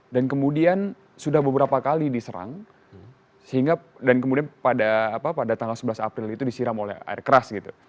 dan kemudian sudah beberapa kali diserang sehingga dan kemudian pada tanggal sebelas april itu disiram oleh air keras gitu